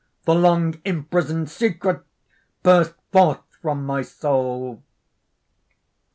The long imprisoned secret burst forth from my soul.